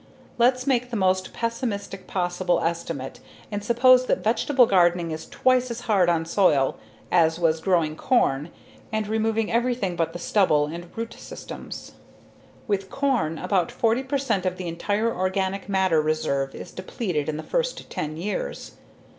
Let's make the most pessimistic possible estimate and suppose that vegetable gardening is twice as hard on soil as was growing corn and removing everything but the stubble and root systems. With corn, about 40 percent of the entire organic matter reserve is depleted in the first ten years.